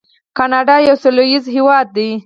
کاناډا یو سوله ییز هیواد دی.